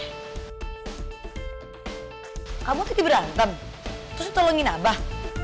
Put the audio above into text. kamu tadi berantem terus tolongin abah